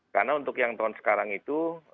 karena untuk yang tahun sekarang itu